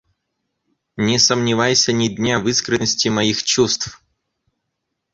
Не сомневайся ни дня в искренности моих чувств.